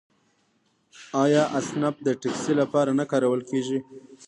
آیا اسنپ د ټکسي لپاره نه کارول کیږي؟